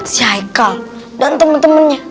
si haikal dan temen temennya